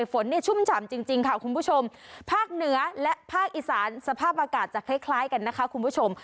แต่ฝนชุ่มฉ่ำจริงค่ะคุณผู้ชมภาคเหนือและภาคอีสานสภาพอากาศจะคล้ายกันนะคะคุณผู้ชม